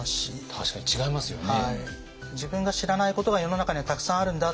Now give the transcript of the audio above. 確かに違いますよね。